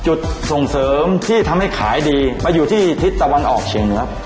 ส่งเสริมที่ทำให้ขายดีไปอยู่ที่ทิศตะวันออกเฉียงเหนือ